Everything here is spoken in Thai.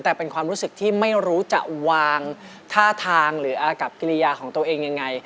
แต่เป็นความรู้สึกที่ไม่รู้จะวางท่าทางหรืออากับกิริยาของตัวเองยังไง